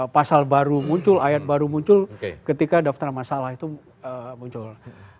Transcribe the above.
pasal baru muncul ayat baru muncul ketika daftar masalah itu muncul